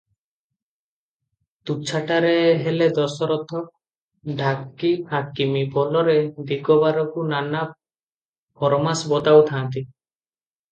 ତୁଚ୍ଛାଟାରେ ହେଲେ ଦଶରଥ ଡାକି ହାକିମି ବୋଲରେ ଦିଗବାରକୁ ନାନା ଫରମାସ ବତାଉ ଥାଆନ୍ତି;